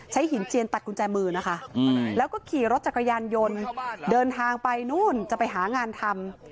หินเจียนตัดกุญแจมือนะคะแล้วก็ขี่รถจักรยานยนต์เดินทางไปนู่นจะไปหางานทำ